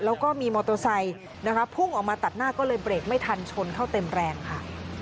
แล้วก็มีมอเตอร์ไซค์นะคะพุ่งออกมาตัดหน้าก็เลยเบรกไม่ทันชนเข้าเต็มแรงค่ะ